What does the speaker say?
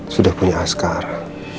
sudah punya askara